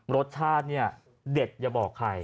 รสชาติเนี่ยเด็ดอย่าบอกใคร